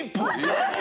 えっ！？